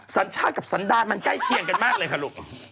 สัญชาติกับสันดารมันใกล้เคียงกันมากเลยค่ะลูก